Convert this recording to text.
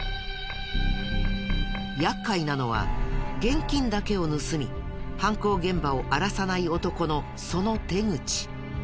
厄介なのは現金だけを盗み犯行現場を荒らさない男のその手口。